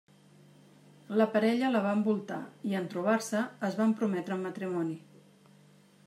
La parella la va envoltar i en trobar-se es van prometre en matrimoni.